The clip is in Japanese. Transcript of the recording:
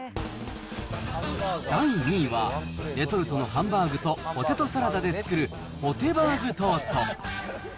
第２位は、レトルトのハンバーグとポテトサラダで作る、ポテバーグトースト。